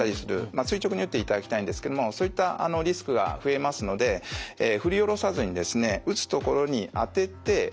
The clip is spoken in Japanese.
垂直に打っていただきたいんですけどもそういったリスクが増えますので振り下ろさずにですね